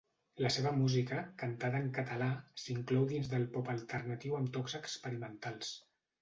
La seva música, cantada en català, s'inclou dins del pop alternatiu amb tocs experimentals.